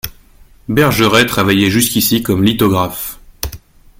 Bergeret travaillait jusqu'ici comme lithographe.